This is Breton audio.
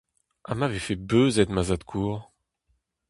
Ha ma vefe beuzet ma zad-kozh ?